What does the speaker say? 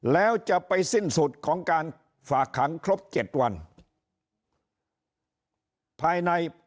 แล้วจะไปสิ้นสุดของการฝากขังครบ๗วันภายใน